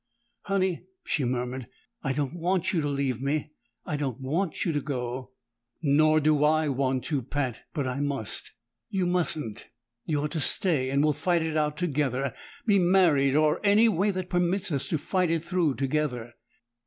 "Honey," she murmured, "I don't want you to leave me. I don't want you to go!" "Nor do I want to, Pat! But I must." "You mustn't! You're to stay, and we'll fight it out together be married, or any way that permits us to fight it through together."